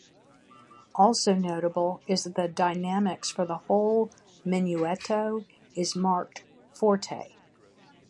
Also notable is that the dynamics for the whole "Menuetto" is marked "forte".